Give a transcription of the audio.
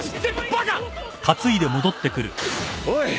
おい！